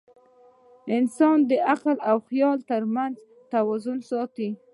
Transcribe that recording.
انسان د عقل او خیال تر منځ توازن ساتي.